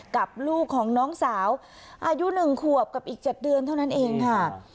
กับลูกของน้องสาวอายุ๑ขวบกับอีก๗เดือนเท่านั้นเองค่ะ